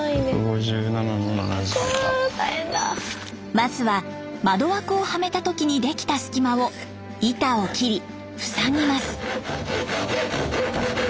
まずは窓枠をはめた時にできた隙間を板を切りふさぎます。